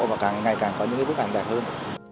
và ngày càng có những bức ảnh đẹp hơn